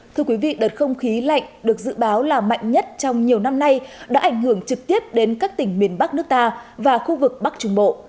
thưa quý vị đợt không khí lạnh được dự báo là mạnh nhất trong nhiều năm nay đã ảnh hưởng trực tiếp đến các tỉnh miền bắc nước ta và khu vực bắc trung bộ